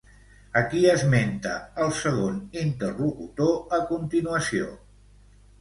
A qui esmenta el segon interlocutor, a continuació?